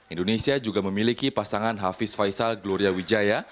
indonesia juga memiliki pasangan hafiz faisal gloria wijaya